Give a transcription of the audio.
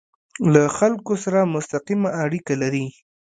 له خلکو سره مستقیمه اړیکه لري.